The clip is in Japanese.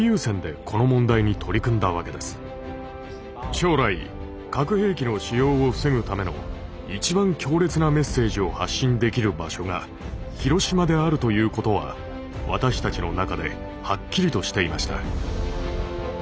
将来核兵器の使用を防ぐための一番強烈なメッセージを発信できる場所が広島であるということは私たちの中ではっきりとしていました。